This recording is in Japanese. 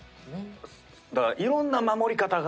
だからいろんな守り方が。